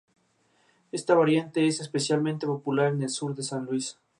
Todo el pilón se halla rodeado y protegido por una reja.